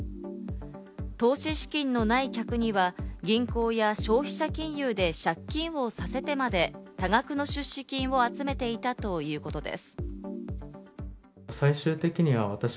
投資資金のない客には銀行や消費者金融で借金をさせてまで多額の出資金を集めていたということです。